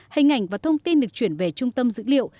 hình ảnh và thông tin được chuyển về trung tâm dữ liệu